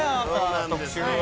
特集は。